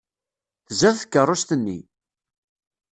Tzad tkeṛṛust-nni!